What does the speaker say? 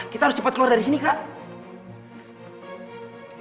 kita harus cepat keluar dari sini kak